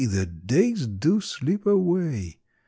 the days do slip away !